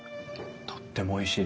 とってもおいしいです。